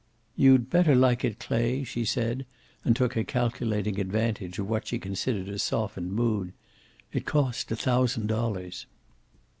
"You'd better like it, Clay," she said, and took a calculating advantage of what she considered a softened mood. "It cost a thousand dollars."